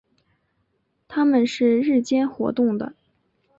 它们是日间活动的。